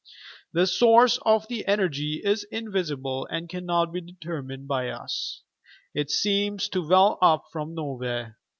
The source of the energy is invisible and cannot be determined by us. It seems to well up from nowhere.